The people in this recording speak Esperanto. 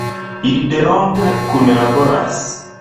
Ili delonge kunlaboras.